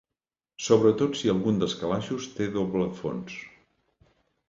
Sobretot si algun dels calaixos té doble fons.